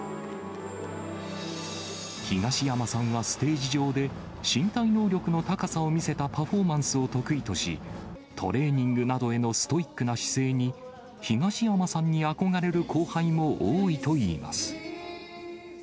東山さんはステージ上で身体能力の高さを見せたパフォーマンスを得意とし、トレーニングなどへのストイックな姿勢に、東山さんに憧れる後輩も多いといいます。